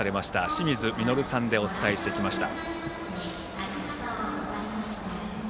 清水稔さんでお伝えしてきました。